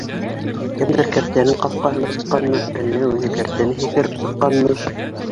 Кемдер кәртәнең ҡапҡаһын асҡанмы, әллә үҙе кәртәне һикереп сыҡҡанмы?